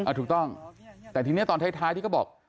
ถูกต้องแต่ทีนี้ตอนท้ายที่เขาบอก